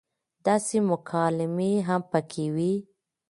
داسې مکالمې هم پکې وې